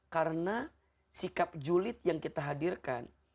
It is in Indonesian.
karena sikap julid yang kita hadirkan